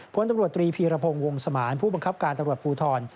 พ้นตรวจตรีภีรพงศ์วงศ์สมารผู้บังคับการตรวจภูทร